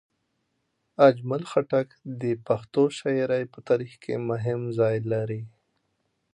اجمل خټک د پښتو شاعرۍ په تاریخ کې مهم ځای لري.